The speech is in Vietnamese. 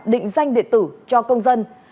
định danh điện tử cho công dân